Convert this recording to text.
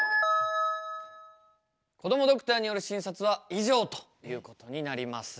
こどもドクターによる診察は以上ということになります。